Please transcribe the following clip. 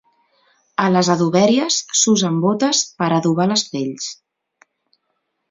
A les adoberies s'usen bótes per adobar les pells.